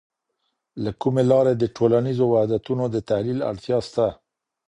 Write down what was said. له کومې لاري د ټولنیزو وحدتونو د تحلیل اړتیا سته؟